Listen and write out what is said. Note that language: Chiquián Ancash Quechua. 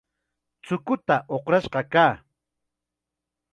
Chukuta uqrash kaa.